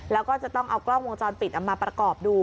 แล้วก็จะต้องเอากล้องวงจรปิดเอามาประกอบดู